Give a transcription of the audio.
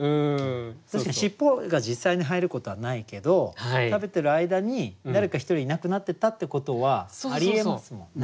確かに尻尾が実際に生えることはないけど食べてる間に誰か一人いなくなってたってことはありえますもんね。